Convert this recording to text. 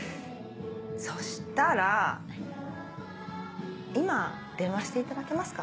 そしたら今電話していただけますか？